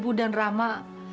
ibu dan rama